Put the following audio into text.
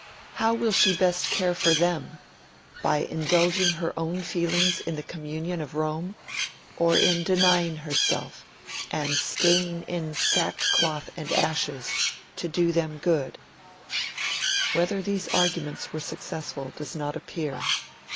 How will she best care for them by indulging her own feelings in the communion of Rome, or in denying herself, and staying in sackcloth and ashes to do them good?' Whether these arguments were successful does not appear.